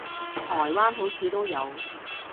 台灣好似都有